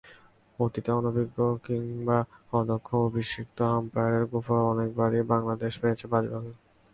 অতীতে অনভিজ্ঞ কিংবা অদক্ষ অভিষিক্ত আম্পায়ারের কুফল অনেকবারই বাংলাদেশ পেয়েছে বাজেভাবে।